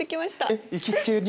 えっ行きつけに？